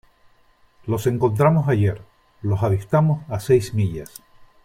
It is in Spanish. los encontramos ayer . los avistamos a seis millas .